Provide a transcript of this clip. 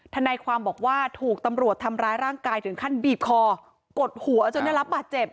ทนายความบอกว่าถูกตำรวจทำร้ายร่างกายถึงขั้นบีบคอกดหัวจนได้รับบาดเจ็บ